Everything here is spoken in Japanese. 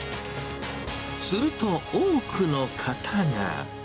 すると多くの方が。